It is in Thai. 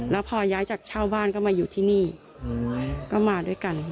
แล้วพอย้ายจากเช่าบ้านก็มาอยู่ที่นี่ก็มาด้วยกัน